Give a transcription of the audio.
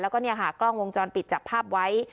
แล้วก็เนี่ยค่ะกล้องวงจรปิดจับภาพไว้